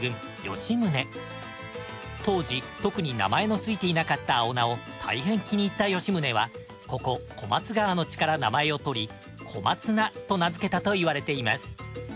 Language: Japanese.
当時特に名前のついていなかった青菜を大変気に入った吉宗はここ小松川の地から名前を取り小松菜と名付けたといわれています。